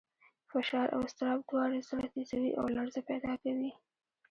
فشار او اضطراب دواړه زړه تېزوي او لړزه پیدا کوي.